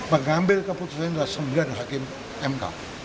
pengambil keputusan adalah sembilan hakim mk